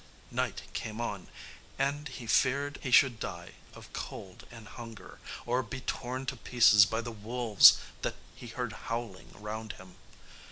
Night came on, and he feared he should die of cold and hunger, or be torn to pieces by the wolves that he heard howling round him.